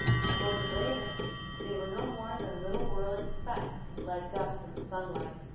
A moment later they were no more than little whirling specks, like dust in the sunlight.